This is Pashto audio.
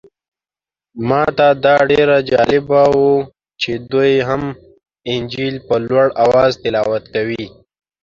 ماته دا ډېر جالبه و چې دوی هم انجیل په لوړ اواز تلاوت کوي.